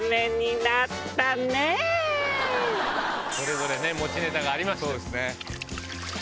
それぞれ持ちネタがあります。